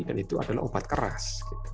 dan itu adalah obat keras